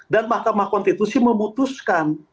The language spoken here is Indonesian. dan mahkamah konstitusi memutuskan